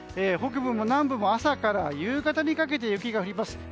北部も南部も朝から夕方にかけて雪が降ります。